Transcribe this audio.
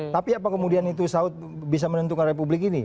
tapi apa kemudian itu saud bisa menentukan republik ini